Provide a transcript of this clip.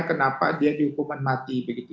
kenapa dia dihukuman mati begitu